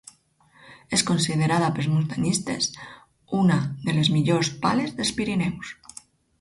És considerada pels muntanyistes una de les millors pales dels Pirineus.